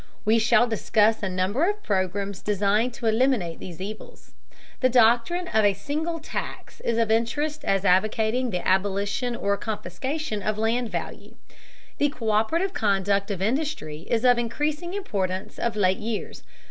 We shall discuss a number of programs designed to eliminate these evils. The doctrine of single tax is of interest as advocating the abolition or confiscation of land value. The co÷perative conduct of industry is of increasing importance of late years.